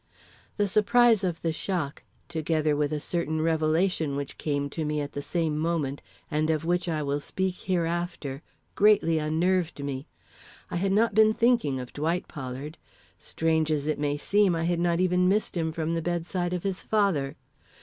The surprise of the shock, together with a certain revelation which came to me at the same moment, and of which I will speak hereafter, greatly unnerved me. I had not been thinking of Dwight Pollard. Strange as it may seem, I had not even missed him from the bedside of his father.